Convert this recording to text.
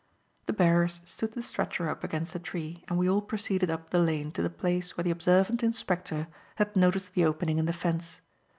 The bearers stood the stretcher up against a tree and we all proceeded up the lane to the place where the observant inspector had noticed the opening in the fence.